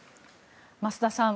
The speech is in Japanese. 増田さん